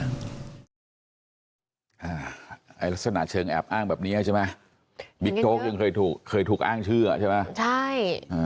อ่าไอ้ลักษณะเชิงแอบอ้างแบบเนี้ยใช่ไหมยังเคยถูกเคยถูกอ้างชื่ออ่ะใช่ไหมใช่